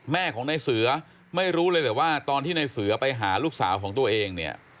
แม่ของได้เสือไม่รู้เลยว่าตอนที่ได้เสือไปหาลูกสาวของตัวเอง